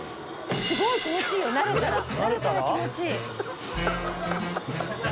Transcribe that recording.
すごい気持ちいいよ慣れたら慣れたら気持ちいい。